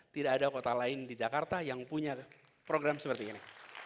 tidak ada kota lain di jakarta yang punya program seperti ini